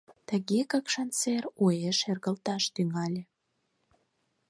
Тыге Какшан сер уэш шергылташ тӱҥале.